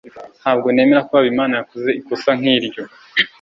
Ntabwo nemera ko Habimana yakoze ikosa nkiryo.